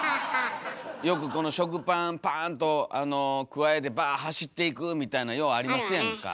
よく食パンパーンとくわえてバーッ走っていくみたいなんようありますやんか。